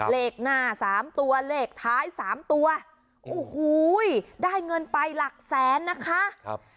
เลขหน้าสามตัวเลขท้ายสามตัวโอ้โหได้เงินไปหลักแสนนะคะครับ